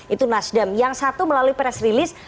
itu nasdem yang satu melalui press release